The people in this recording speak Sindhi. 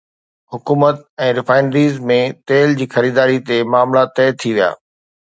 حڪومت ۽ ريفائنريز ۾ تيل جي خريداري تي معاملا طئي ٿي ويا